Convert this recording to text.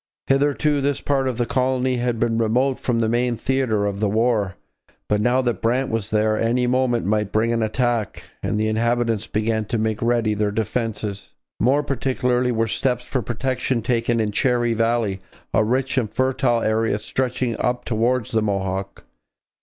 Hitherto this part of the colony had been remote from the main theatre of the war, but now that Brant was there any moment might bring an attack, and the inhabitants began to make ready their defences. More particularly were steps for protection taken in Cherry Valley, a rich and fertile area stretching up towards the Mohawk.